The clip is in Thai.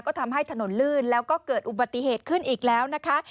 ก็ทำให้ถนนลื่นแล้วก็เกิดอุบัติเหตุขึ้นอีกแล้วนะคะ